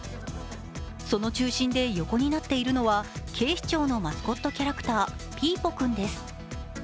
その中心で横になっているのは、警視庁のマスコットキャラクター、ピーポくんです。